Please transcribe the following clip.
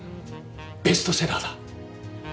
ベストセラーだ！